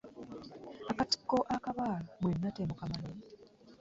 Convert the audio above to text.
Akatiko akabaala mwenna temukamanyi?